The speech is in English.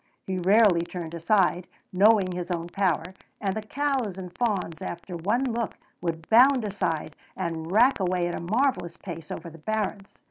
He rarely turned aside, knowing his own power, and the cows and fawns after one look would bound aside and rack away at a marvelous pace over the barrens.